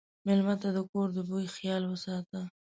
مېلمه ته د کور د بوي خیال وساته.